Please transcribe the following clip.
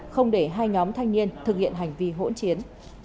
không để hai nhóm thanh niên thực hiện hành vi hỗn chiến